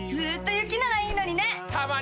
雪ならいいのにねー！